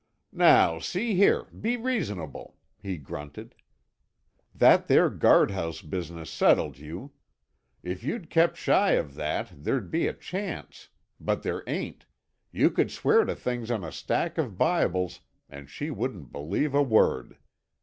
"Now, see here, be reasonable," he grunted. "That there guardhouse business settled you. If you'd kept shy of that, there'd be a chance. But there ain't. You could swear to things on a stack of Bibles—and she wouldn't believe a word.